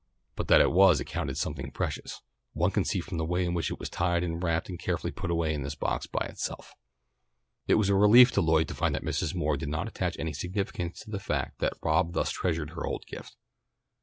But that it was accounted something precious, one could see from the way in which it was tied and wrapped and carefully put away in this box by itself. It was a relief to Lloyd to find that Mrs. Moore did not attach any significance to the fact that Rob thus treasured her old gift.